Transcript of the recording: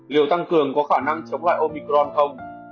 liều tăng cường có khả năng chống lại omicron không